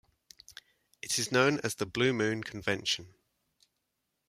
It is known as the "Blue Moon" convention.